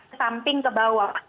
ke samping ke bawah